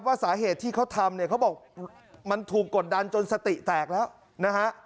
สาเหตุที่เขาทำเนี่ยเขาบอกมันถูกกดดันจนสติแตกแล้วนะฮะ